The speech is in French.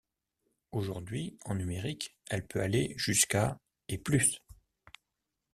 Aujourd'hui, en numérique, elle peut aller jusqu'à et plus.